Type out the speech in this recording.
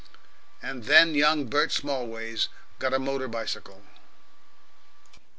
And then young Bert Smallways got a motor bicycle....